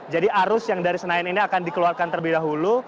jadi arus yang dari senayan ini akan dikeluarkan terlebih dahulu